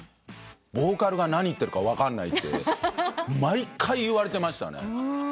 「ボーカルが何言ってるか分かんない」って毎回言われてましたね。